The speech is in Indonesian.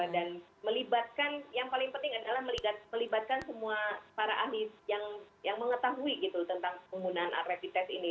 dan melibatkan yang paling penting adalah melibatkan semua para ahli yang mengetahui gitu tentang penggunaan rapid test ini